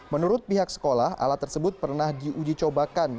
menurut pihak sekolah alat tersebut pernah diuji cobakan